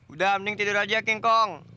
udah mending tidur aja king kong